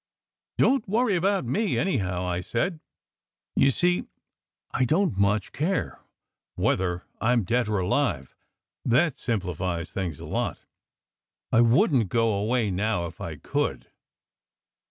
"Don t worry about me, anyhow," I said. "You see, I don t much care whether I m dead or alive. That simplifies things a lot ! I wouldn t go away now if I could."